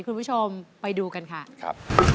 คุณผู้ชมไปดูกันค่ะ